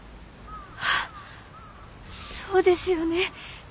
あそうですよね。